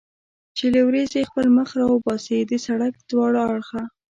چې له ورېځې خپل مخ را وباسي، د سړک دواړه اړخه.